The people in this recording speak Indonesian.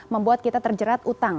membuat kita terjerat utang